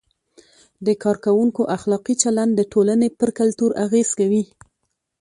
د کارکوونکو اخلاقي چلند د ټولنې پر کلتور اغیز کوي.